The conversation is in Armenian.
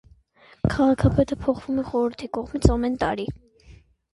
Քաղաքապետը փոխվում է խորհրդի կողմից ամեն տարի։